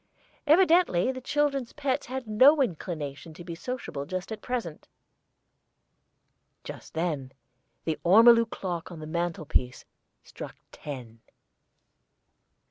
Evidently the children's pets had no inclination to be sociable just at present. Just then the ormolu clock on the mantel piece struck ten.